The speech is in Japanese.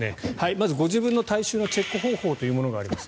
まずご自分の体臭のチェック方法というのがあります。